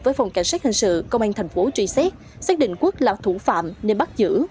với phòng cảnh sát hình sự công an thành phố truy xét xác định quốc là thủ phạm nên bắt giữ